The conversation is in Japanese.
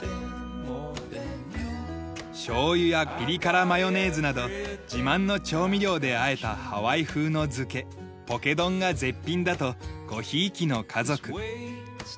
醤油やピリ辛マヨネーズなど自慢の調味料であえたハワイ風の漬けポケ丼が絶品だとごひいきの家族。